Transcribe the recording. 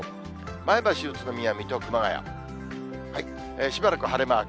前橋、宇都宮、水戸、熊谷、しばらく晴れマーク。